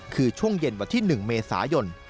คือช่วงเย็นวันที่๑เมษายน